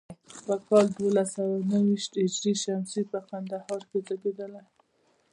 په کال دولس سوه نهو ویشت هجري شمسي په کندهار کې زیږېدلی.